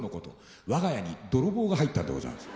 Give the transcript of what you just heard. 我が家に泥棒が入ったんでございます。